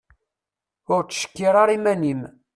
Ur ttcekkir ara iman-im.